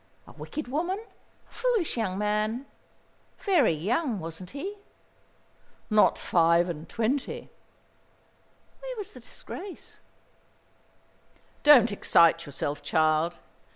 A wicked woman, a foolish young man very young, wasn't he?" "Not five and twenty." "Where was the disgrace?" "Don't excite yourself, child.